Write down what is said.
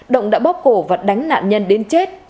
động đã bóp cổ và đánh nạn nhân đến chết